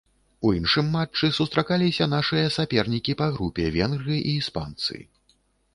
У іншым матчы сустракаліся нашыя сапернікі па групе венгры і іспанцы.